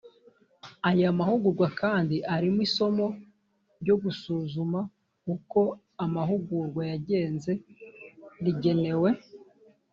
aya mahugurwa kandi arimo isomo ryo gusuzuma uko amahugurwa yagenze rigenewe